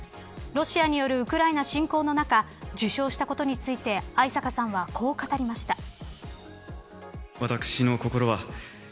ロシアによるウクライナ侵攻の中受賞したことについて逢坂さんは、こう語りました。